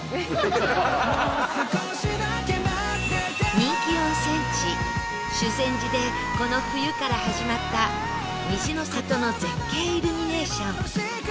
人気温泉地修善寺でこの冬から始まった虹の郷の絶景イルミネーション